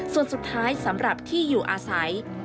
ส่วนสุดท้ายสำหรับที่อยู่อาศัย